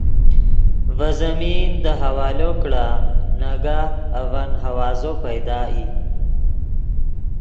ڤے زمین دے حوالو کڑا ناگاہ اڤن ہوازو پیدا ای